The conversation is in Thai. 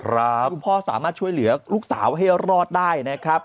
คุณพ่อสามารถช่วยเหลือลูกสาวให้รอดได้นะครับ